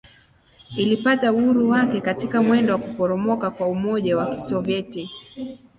Ilipata uhuru wake katika mwendo wa kuporomoka kwa Umoja wa Kisovyeti.